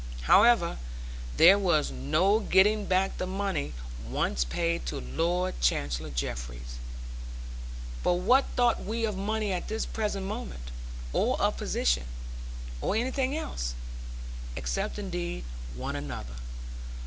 However, there was no getting back the money once paid to Lord Chancellor Jeffreys. But what thought we of money at this present moment; or of position, or anything else, except indeed one another?